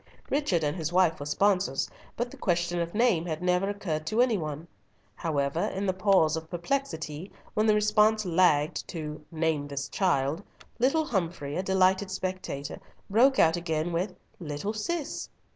Richard and his wife were sponsors, but the question of name had never occurred to any one. However, in the pause of perplexity, when the response lagged to "Name this child," little Humfrey, a delighted spectator, broke out again with "Little Sis."